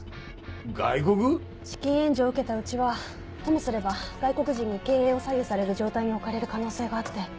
資金援助を受けたうちはともすれば外国人に経営を左右される状態に置かれる可能性があって。